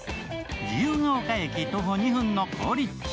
自由が丘駅徒歩２分の好立地。